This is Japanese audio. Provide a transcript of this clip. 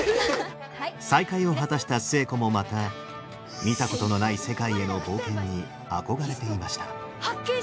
再会を果たした寿恵子もまた見たことのない世界への冒険に憧れていました。